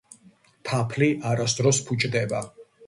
თაფლი არასდროს ფუჭდება,